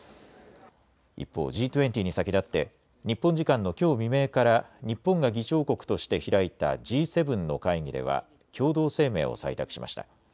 一方、Ｇ２０に先立って日本時間のきょう未明から日本が議長国として開いたＧ７の会議では共同声明を採択しました。